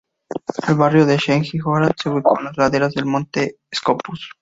El barrio de Sheij Jarrah se ubicó en las laderas del Monte Scopus.